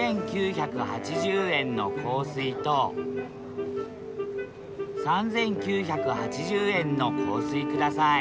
２，９８０円の香水と３，９８０円の香水ください